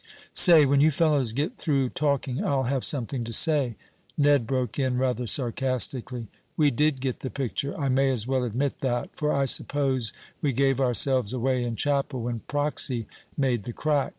"Say, when you fellows get through talking, I'll have something to say!" Ned broke in, rather sarcastically. "We did get the picture, I may as well admit that, for I suppose we gave ourselves away in chapel when Proxy made the crack.